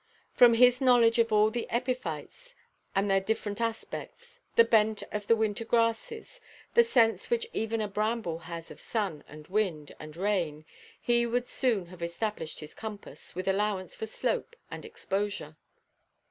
From his knowledge of all the epiphytes and their different aspects, the bent of the winter grasses, the sense which even a bramble has of sun and wind and rain, he would soon have established his compass, with allowance for slope and exposure.